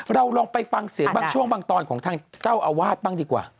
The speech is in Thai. เราลองไปฟังเสียงบางช่วงบางตอนของทางเจ้าอาวาสบ้างดีกว่า